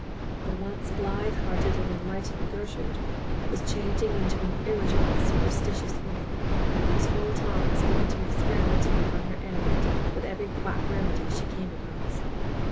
The once blithe hearted and enlightened Gertrude was changing into an irritable, superstitious woman, whose whole time was given to experimenting upon her ailment with every quack remedy she came across.